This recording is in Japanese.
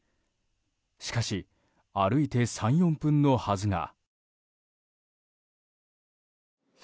しかし歩いて３４分のはずが。